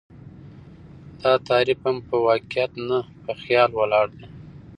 دا تعريف هم په واقعيت نه، په خيال ولاړ دى